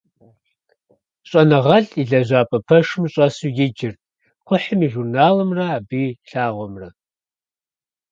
ЩӀэныгъэлӀ и лэжьапӀэ пэшым щӀэсу иджырт кхъухьым и журналымрэ абы и лъагъуэмрэ.